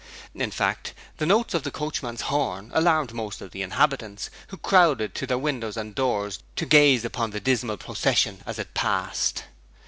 In fact, the notes of the coachman's horn alarmed most of the inhabitants, who crowded to their windows and doors to gaze upon the dismal procession as it passed.